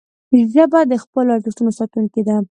ژبه د خپلو ارزښتونو ساتونکې ده